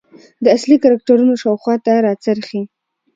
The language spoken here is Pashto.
د اصلي کرکترونو شاخواته راڅرخي .